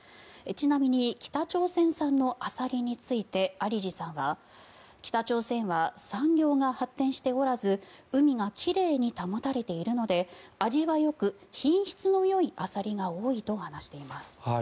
ちなみに北朝鮮産のアサリについて有路さんは北朝鮮は産業が発展しておらず海が奇麗に保たれているので味はよく品質のよいアサリが多いと話しています。